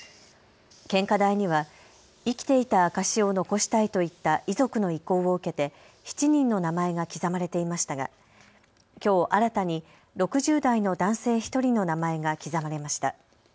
献花台には生きていた証しを残したいといった遺族の意向を受けて７人の名前が刻まれていましたがきょう新たに６０代の男性１人の名前が刻まれました。